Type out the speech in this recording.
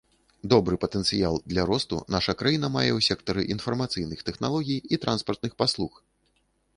Добры патэнцыял для росту наша краіна мае ў сектары інфармацыйных тэхналогій і транспартных паслуг.